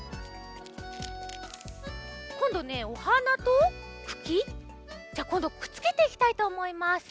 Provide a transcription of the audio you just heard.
こんどねお花とくきじゃあこんどくっつけていきたいとおもいます。